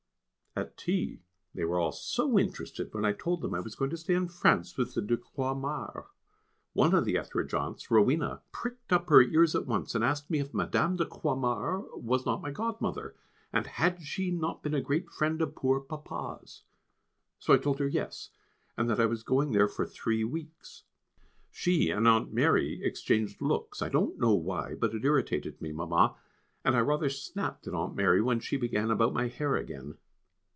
At tea they were all so interested when I told them I was going to stay in France with the de Croixmares. One of the Ethridge aunts (Rowena) pricked up her ears at once, and asked me if Madame de Croixmare was not my godmother, and had she not been a great friend of poor papa's. So I told her yes, and that I was going there for three weeks. She and Aunt Mary exchanged looks, I don't know why, but it irritated me, Mamma, and I rather snapped at Aunt Mary when she began about my hair again.